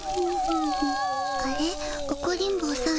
あれオコリン坊さん